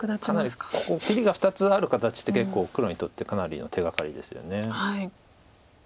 かなりここ切りが２つある形って結構黒にとってかなりの手がかりですよね。